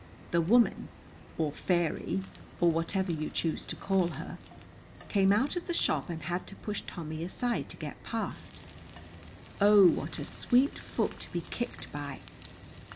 The woman, or fairy, or whatever you choose to call her, came out of the shop and had to push Tommy aside to get past. Oh, what a sweet foot to be kicked by.